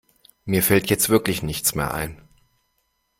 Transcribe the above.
Mir fällt jetzt wirklich nichts mehr ein.